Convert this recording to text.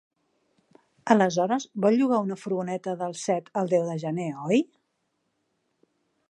Aleshores vol llogar una furgoneta del set al deu de gener, oi?